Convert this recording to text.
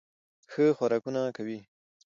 ښه خوراکونه کوي